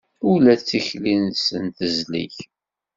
Ula d tikli-nsen tezleg.